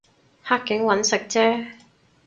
黑警搵食啫